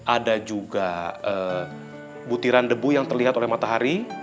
ada juga butiran debu yang terlihat oleh matahari